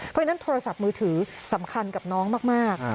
เพราะฉะนั้นโทรศัพท์มือถือสำคัญกับน้องมาก